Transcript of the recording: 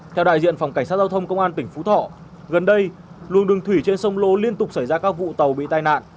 theo đại diện phòng cảnh sát giao thông công an tỉnh phú thọ gần đây luồng đường thủy trên sông lô liên tục xảy ra các vụ tàu bị tai nạn